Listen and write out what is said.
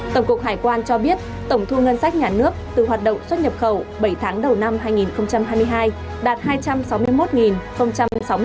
tổng cục hải quan cho biết tổng thu ngân sách nhà nước từ hoạt động xuất nhập khẩu bảy tháng đầu năm hai nghìn hai mươi hai